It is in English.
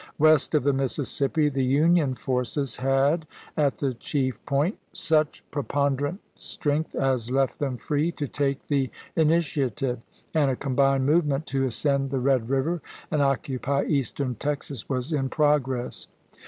West of the Mississippi the Union forces had, at the chief point, such prepon derant strength as left them free to take the ini tiative, and a combined movement to ascend the Red River and occupy Eastern Texas was in pro gi'ess.